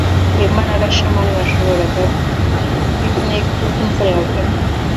Rwema na Gashema ntibashoboraga kujya muri picnic kuko imvura yagwaga.